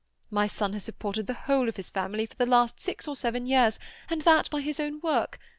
My son has supported the whole of the family for the last six or seven years, and that by his own work.